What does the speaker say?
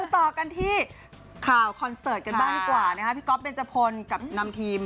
ต่อกันที่ข่าวคอนเสิร์ตกันบ้างดีกว่านะคะพี่ก๊อฟเบนจพลกับนำทีม